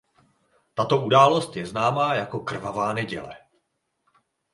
Tato událost je známá jako Krvavá neděle.